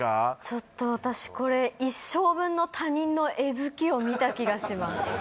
ちょっと私これ一生分の他人のえずきを見た気がします